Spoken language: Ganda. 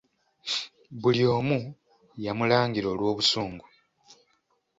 Buli omu yamulangira olw'obusungu.